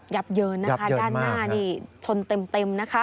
ับเยินนะคะด้านหน้านี่ชนเต็มนะคะ